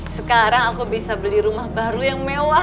sekarang aku bisa beli rumah baru yang mewah